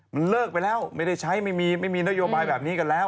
มันเลิกไปแล้วไม่ได้ใช้ไม่มีนโยบายแบบนี้กันแล้ว